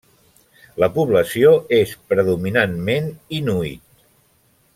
La població és predominantment inuit.